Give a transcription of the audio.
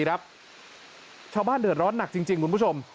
ครับชาวบ้านเดินร้อนหนักจริงจริงคุณผู้ชม